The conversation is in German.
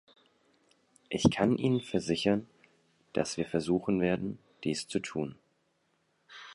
Ich kann Ihnen versichern, dass wir versuchen werden, dies zu tun.